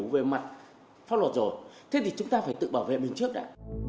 về mặt pháp luật rồi thế thì chúng ta phải tự bảo vệ mình trước đã